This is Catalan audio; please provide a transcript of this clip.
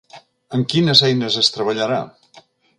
Amb quines eines es treballarà?